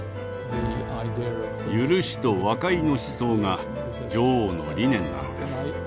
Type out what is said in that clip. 許しと和解の思想が女王の理念なのです。